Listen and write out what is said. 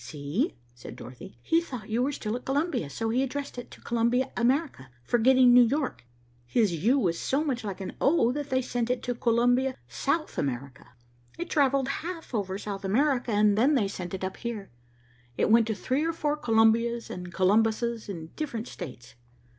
"See," said Dorothy. "He thought you were still at Columbia, so he addressed it to Columbia, America, forgetting New York. His 'u' was so much like an 'o' that they sent it to Colombia, South America. It travelled half over South America, and then they sent it up here. It went to three or four Columbias and Columbus's in different States.